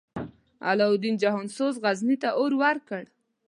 علاوالدین جهان سوز، غزني ته اور ورکړ.